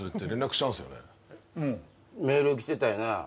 うんメール来てたよな